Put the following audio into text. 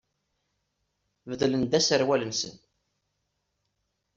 Beddlen-d aserwal-nsen?